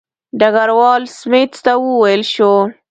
ډګروال سمیت ته وویل شو.